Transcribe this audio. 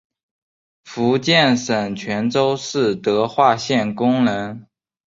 福建省泉州市德化县工人。